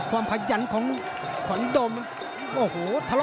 ฝ่ายทั้งเมืองนี้มันตีโต้หรืออีโต้